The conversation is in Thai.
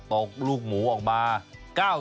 โต๊ะลูกหมูออกมา๙ตัว